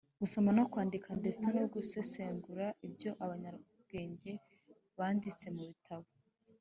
gusoma no kwandika ndetse no gusesengura ibyo abanyabwenge banditse mu bitabo